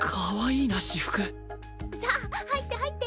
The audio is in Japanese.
さあ入って入って！